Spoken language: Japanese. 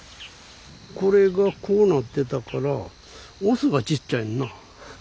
これがこう乗ってたからオスがちっちゃいねんな。